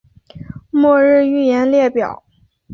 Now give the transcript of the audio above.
末日预言列表